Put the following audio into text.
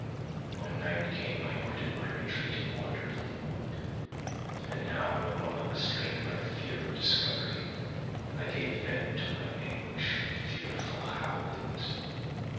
"When night came I quitted my retreat and wandered in the wood; and now, no longer restrained by the fear of discovery, I gave vent to my anguish in fearful howlings.